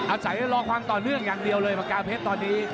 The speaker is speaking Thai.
อาศัยรอความต่อเนื่องอย่างเดียวเลยปากกาเพชรตอนนี้